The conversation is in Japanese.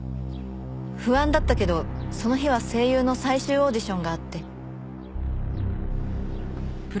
不安だったけどその日は声優の最終オーディションがあって。